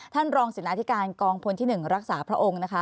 ท่านรองศินาธิการกองพลที่๑รักษาพระองค์นะคะ